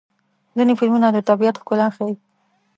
ځینې فلمونه د طبیعت ښکلا ښيي.